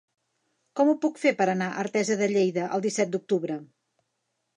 Com ho puc fer per anar a Artesa de Lleida el disset d'octubre?